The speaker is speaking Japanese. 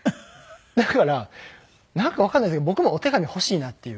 だからなんかわかんないですけど僕もお手紙欲しいなっていう。